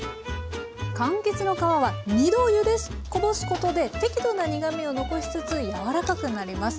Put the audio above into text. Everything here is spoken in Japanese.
かんきつの皮は２度ゆでこぼすことで適度な苦みを残しつつ柔らかくなります。